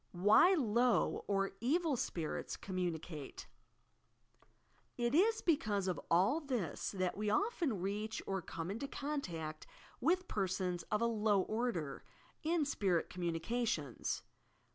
WHY LOW oa "evil" sprarrs commxjnicatb It is because of all this that we often reach or come into contact with persons of a low order, in spirit com munications.